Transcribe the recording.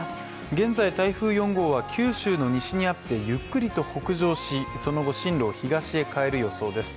現在台風４号は九州の西にあってゆっくりと北上し、その後、進路を東へ変える予想です。